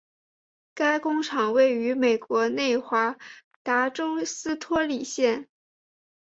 该工厂位于美国内华达州斯托里县。